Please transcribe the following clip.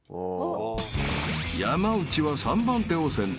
［山内は３番手を選択。